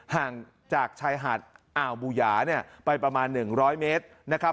ห่างจากชายหาดอ่าวบูยาไปประมาณ๑๐๐เมตร